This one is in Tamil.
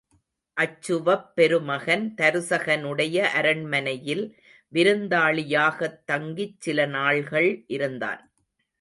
அச்சுவப் பெருமகன், தருசகனுடைய அரண்மனையில் விருந்தாளியாகத் தங்கிச் சில நாள்கள் இருந்தான்.